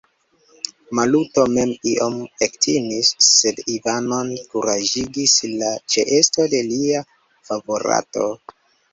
Maluto mem iom ektimis; sed Ivanon kuraĝigis la ĉeesto de lia favorato.